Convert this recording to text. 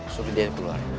suruh dia keluar